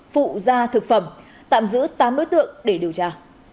phụ gia thực phẩm tạm giữ tám đối tượng để điều tra